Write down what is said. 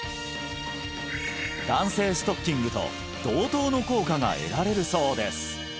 弾性ストッキングと同等の効果が得られるそうです